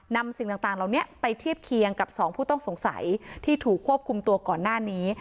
สิ่งต่างเหล่านี้ไปเทียบเคียงกับสองผู้ต้องสงสัยที่ถูกควบคุมตัวก่อนหน้านี้